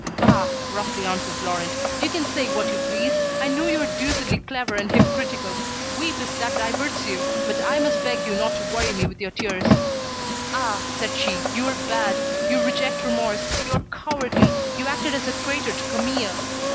"Bah!" roughly answered Laurent, "you can say what you please. I know you are deucedly clever and hypocritical. Weep, if that diverts you. But I must beg you not to worry me with your tears." "Ah!" said she, "you are bad. You reject remorse. You are cowardly. You acted as a traitor to Camille."